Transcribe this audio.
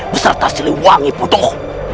beserta silih wangi putuh